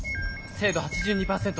精度８２％。